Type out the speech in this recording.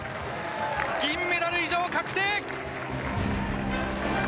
銀メダル以上確定！